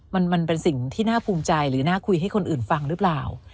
มันเป็นสิ่งที่น่าภูมิใจหรือน่าคุยให้คนอื่นฟังหรือเปล่า